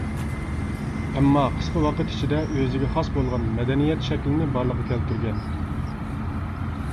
ئەمما قىسقا ۋاقىت ئىچىدە ئۆزىگە خاس بولغان مەدەنىيەت شەكلىنى بارلىققا كەلتۈرگەن.